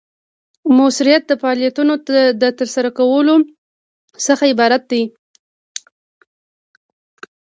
مؤثریت د فعالیتونو د ترسره کولو څخه عبارت دی.